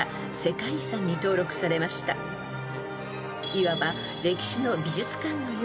［いわば］